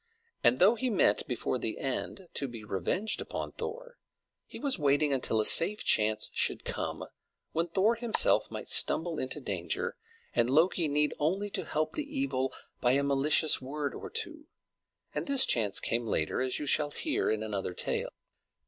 And though he meant, before the end, to be revenged upon Thor, he was waiting until a safe chance should come, when Thor himself might stumble into danger, and Loki need only to help the evil by a malicious word or two; and this chance came later, as you shall hear in another tale.